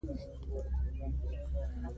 ازادي راډیو د سیاست موضوع تر پوښښ لاندې راوستې.